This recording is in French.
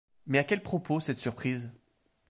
Mais à quel propos cette surprise ?